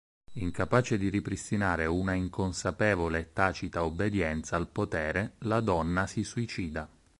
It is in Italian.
Incapace di ripristinare una "inconsapevole" e tacita obbedienza al potere, la "Donna" si suicida.